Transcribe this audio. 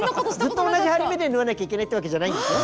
ずっと同じ針目で縫わなきゃいけないってわけじゃないんですよ。